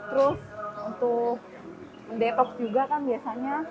terus untuk mendepok juga kan biasanya